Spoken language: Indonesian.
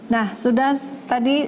nah sudah tadi